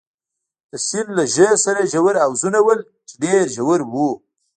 د سیند له ژۍ سره ژور حوضونه ول، چې ډېر ژور وو.